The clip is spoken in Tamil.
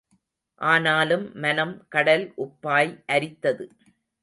ஆனாலும் மனம், கடல் உப்பாய் அரித்தது.